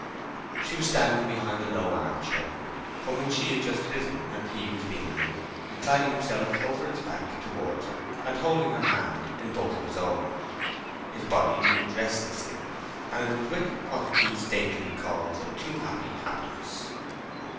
She was standing behind a low arm chair, from which she had just risen, and he was kneeling in it—inclining himself over its back towards her, and holding her hand in both his own. His body moved restlessly, and it was with what Keats daintily calls a too happy happiness.